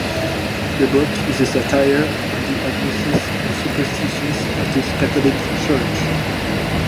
The book is a satire on the abuses and superstitions of the Catholic Church.